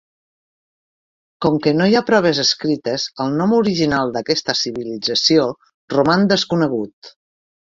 Com que no hi ha proves escrites, el nom original d'aquesta civilització roman desconegut.